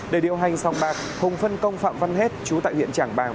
để điều hành xong bạc hùng phân công phạm văn hết chú tại huyện tràng bang